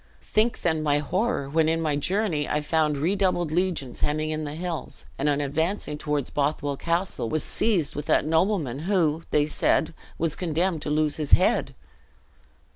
Think then my horror, when in my journey I found redoubled legions hemming in the hills; and on advancing toward Bothwell Castle, was seized with that nobleman, who, they said, was condemned to lose his head!"